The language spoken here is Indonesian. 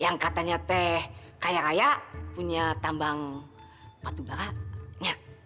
yang katanya teh kaya raya punya tambang batu bara ya